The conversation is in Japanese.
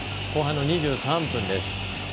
後半の２３分です。